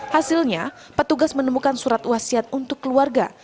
hasilnya petugas menemukan surat wasiat untuk keluarga